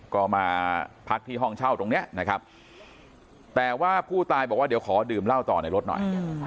ก็มาพักที่ห้องเช่าตรงนี้นะครับแต่ว่าผู้ตายบอกว่าเดี๋ยวขอดื่มเหล้าต่อในรถหน่อย